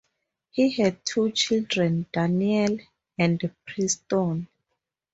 He has two children, Danielle and Preston.